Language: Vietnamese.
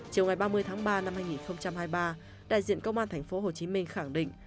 chiều ngày ba mươi tháng ba năm hai nghìn hai mươi ba đại diện công an tp hcm khẳng định